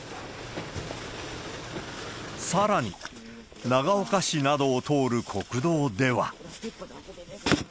さらに、長岡市などを通る国道では。